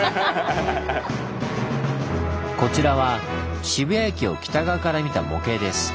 こちらは渋谷駅を北側から見た模型です。